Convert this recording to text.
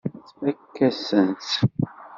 Tfakk-asent-tt.